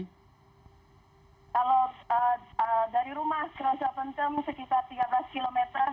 kalau dari rumah ke rossa pencum sekitar tiga belas km dua puluh satu menit